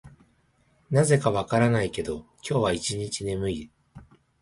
なぜか分からないけど、今日は一日中眠い。